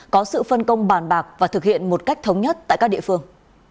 có sự phân công bàn bạc và thực hiện một cách thống nhất tại các địa phương